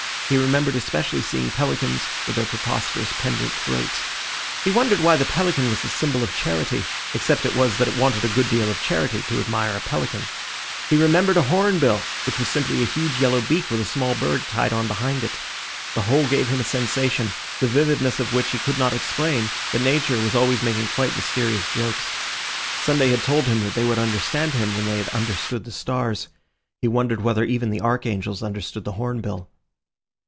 He remembered especially seeing pelicans, with their preposterous, pendant throats. He wondered why the pelican was the symbol of charity, except it was that it wanted a good deal of charity to admire a pelican. He remembered a hornbill, which was simply a huge yellow beak with a small bird tied on behind it. The whole gave him a sensation, the vividness of which he could not explain, that Nature was always making quite mysterious jokes. Sunday had told them that they would understand him when they had understood the stars. He wondered whether even the archangels understood the hornbill.